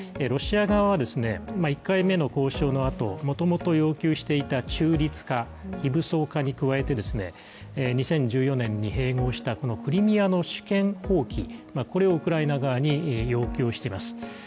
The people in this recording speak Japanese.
ロシア側は１回目の交渉のあと、もともと要求していた中立化、非武装化に加えて、２０１４年に併合したクリミアの主権放棄をウクライナ側に要求しています。